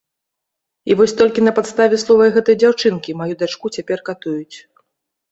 І вось толькі на падставе словаў гэтай дзяўчынкі маю дачку цяпер катуюць.